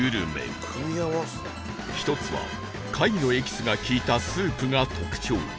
１つは貝のエキスが利いたスープが特徴